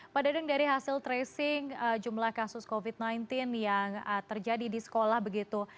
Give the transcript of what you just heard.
pak dadeng dari hasil tracing jumlah kasus covid sembilan belas yang terjadi di sekolah begitu